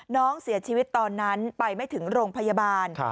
น้องเสียชีวิตตอนนั้นไปไม่ถึงโรงพยาบาล